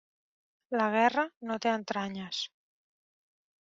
La guerra no té entranyes.